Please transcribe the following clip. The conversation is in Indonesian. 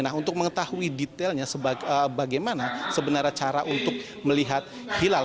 nah untuk mengetahui detailnya bagaimana sebenarnya cara untuk melihat hilal